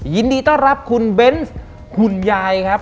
ยินดีต้อนรับคุณเบนส์คุณยายครับ